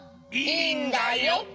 いいんだよ。